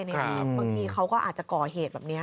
บางทีเขาก็อาจจะก่อเหตุแบบนี้